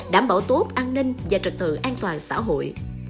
đảm bảo tốt an ninh và trật tự an toàn xã hội